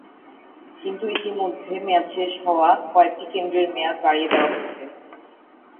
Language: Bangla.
কিন্তু ইতিমধ্যে মেয়াদ শেষ হওয়া কয়েকটি কেন্দ্রের মেয়াদ বাড়িয়ে দেওয়া হয়েছে।